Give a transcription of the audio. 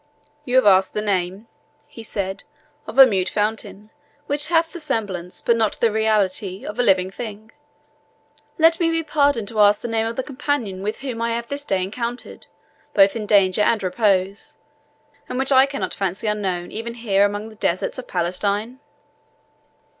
"You have asked the name," he said, "of a mute fountain, which hath the semblance, but not the reality, of a living thing. Let me be pardoned to ask the name of the companion with whom I have this day encountered, both in danger and in repose, and which I cannot fancy unknown even here among the deserts of Palestine?"